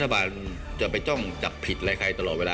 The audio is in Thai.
สวัสดีค่ะคุณผู้ชมค่ะสิ่งที่คาดว่าอาจจะเกิดก็ได้เกิดขึ้นแล้วนะคะ